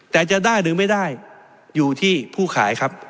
แต่จะได้หรือไม่ได้อยู่ที่ผู้ขายครับ